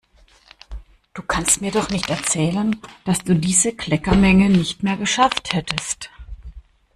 Du kannst mir doch nicht erzählen, dass du diese Kleckermenge nicht mehr geschafft hättest!